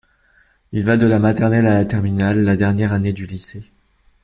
Il va de la maternelle à la terminale, la dernière année du lycée.